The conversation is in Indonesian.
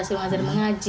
suruh mengajar mengaji